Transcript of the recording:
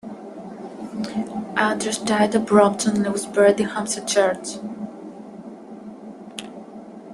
Andrews died at Brompton and was buried in Hampstead Church.